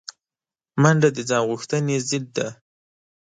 منډه د ځان غوښتنې ضد ده